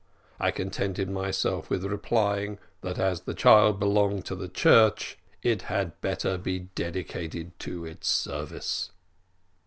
I contented myself with replying that as the child belonged to the church, it had better be dedicated to its service.